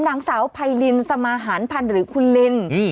นางสาวไพรินสมาหารพันธ์หรือคุณลิน